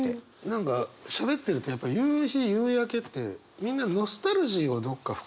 何かしゃべってるとやっぱ夕日夕焼けってみんなノスタルジーをどこか含んでるね。